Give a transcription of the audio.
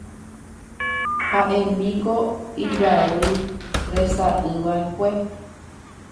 Ha'émiko ijarýi resa'ỹiva'ekue